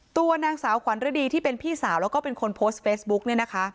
ตัวนางสาวขวัญฤดีที่เป็นพี่สาวแล้วก็เป็นคนโพสต์เฟซบุ๊กเนี่ยนะคะ